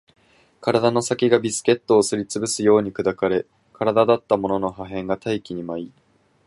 体の先がビスケットをすり潰すように砕かれ、体だったものの破片が大気に舞い